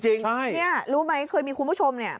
เนี่ยรู้ไหมเคยมีคุณผู้ชมเนี่ย